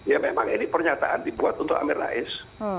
ya memang ini pernyataan dibuat untuk amin rais